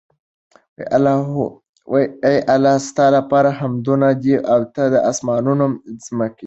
اې الله ! ستا لپاره حمدونه دي ته د آسمانونو، ځمکي